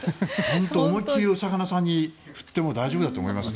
本当に思い切りお魚さんに振っても大丈夫だと思います。